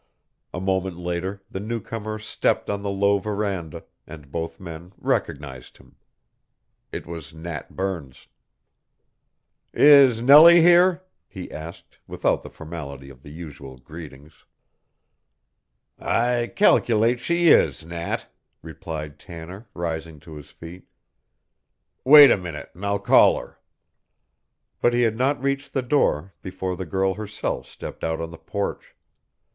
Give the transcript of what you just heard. A moment later the newcomer stepped on the low veranda, and both men recognized him. It was Nat Burns. "Is Nellie here?" he asked without the formality of the usual greetings. "I cal'late she is, Nat," replied Tanner, rising to his feet. "Wait a minute an' I'll call her." But he had not reached the door before the girl herself stepped out on the porch.